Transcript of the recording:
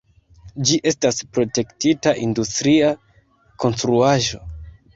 Ĝi estas protektita industria konstruaĵo.